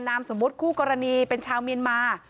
นามสมมุติคู่กรณีเป็นชาวเมียนมา